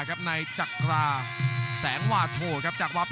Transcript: กรุงฝาพัดจินด้า